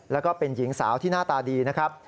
แล้วก็เป็นหญิงสาวที่หน้าตาดีนะครับ